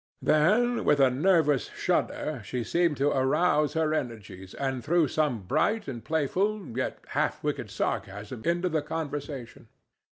Then, with a nervous shudder, she seemed to arouse her energies, and threw some bright and playful yet half wicked sarcasm into the conversation.